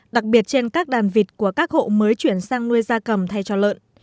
đặc biệt trên các đàn vịt của các hộ mới chuyển sang nuôi gia cầm thay cho lợn